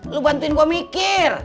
lu bantuin gua mikir